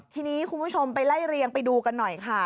ทีนี้คุณผู้ชมไปไล่เรียงไปดูกันหน่อยค่ะ